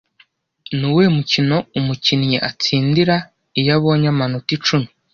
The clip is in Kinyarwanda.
Nuwuhe mukino umukinnyi atsindira iyo abonye amanota icumi